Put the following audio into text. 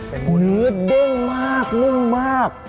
เนื้อดนุ่มมาก